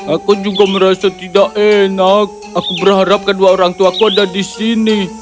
aku juga merasa tidak enak aku berharap kedua orang tuaku ada di sini